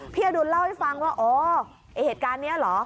อดุลเล่าให้ฟังว่าอ๋อไอ้เหตุการณ์นี้เหรอ